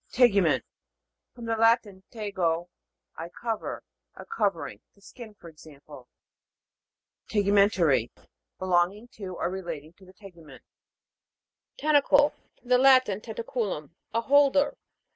TEG'UMENT. From the Latin, tego, I cover. A covering ; the skin, for example. TEGUMEN'TARY. Belonging or re lating to the tegument. ENTOMOLOGY. GLOSSARY. 121 TEN'TACLE. From the Latin, tenta culum, a holder.